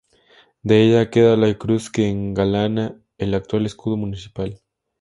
De ella queda la cruz que engalana el actual escudo municipal.